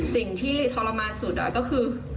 สิ่งที่ทรมานสุดก็คือ